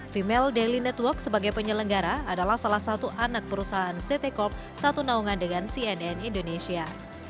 female daily network sebagai penyelenggara adalah salah satu anak perusahaan ct corp satu naungan dengan cnn indonesia